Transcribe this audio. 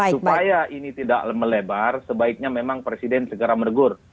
supaya ini tidak melebar sebaiknya memang presiden segera meregur